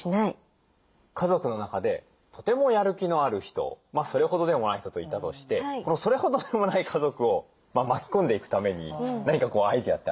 家族の中でとてもやる気のある人それほどでもない人といたとしてそれほどでもない家族を巻き込んでいくために何かアイデアってありますか？